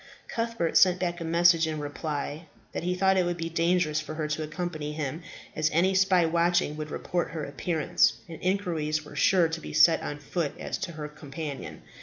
Cuthbert sent back a message in reply, that he thought it would be dangerous for her to accompany him, as any spy watching would report her appearance, and inquiries were sure to be set on foot as to her companion.